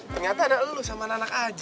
ternyata ada lulu sama anak anak aja